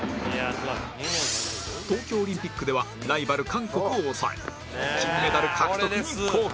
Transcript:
東京オリンピックではライバル韓国を抑え金メダル獲得に貢献